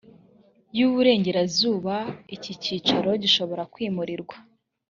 y iburengerazuba iki cyicaro gishobora kwimurirwa